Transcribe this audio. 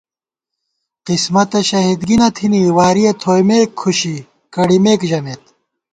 قِسمَتہ شہیدگی نہ تھنی وارِیَہ تھوئیمېک کھُشی کڑِمېک ژمېت